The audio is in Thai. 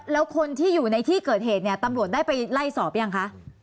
แล้วคนที่อยู่ในที่เกิดเหตุเนี่ยตำรวจได้ไปไล่สอบยังคะ